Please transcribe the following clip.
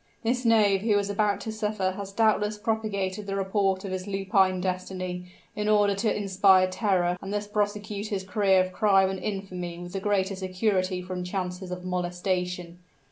This knave who is about to suffer has doubtless propagated the report of his lupine destiny, in order to inspire terror and thus prosecute his career of crime and infamy with the greater security from chances of molestation.